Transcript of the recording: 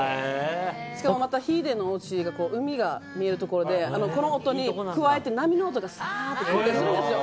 しかもまたヒデのおうちが海が見えるところでこの音に加えて波の音がサーってするんです。